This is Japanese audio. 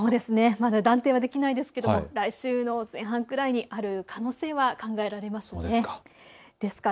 まだ断定はできませんが来週の前半くらいにある可能性は考えられます。